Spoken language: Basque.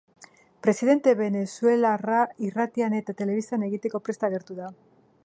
Presidente venezuelarra irratian eta telebistan egiteko prest agertu da.